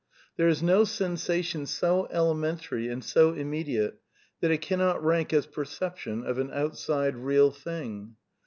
There is no sensation so elementary and so imme diate that it cannot rank as perception of an outside real thing.